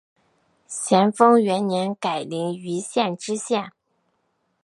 咸丰元年改临榆县知县。